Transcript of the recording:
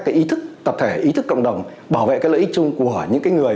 cái ý thức tập thể ý thức cộng đồng bảo vệ cái lợi ích chung của những cái người